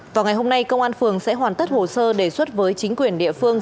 vào ngày hôm nay công an phường sẽ hoàn tất hồ sơ đề xuất với chính quyền địa phương